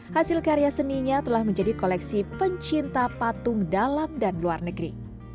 hasil karya seninya telah menjadi koleksi pencinta patung dalam dan luar negeri